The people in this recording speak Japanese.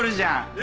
え！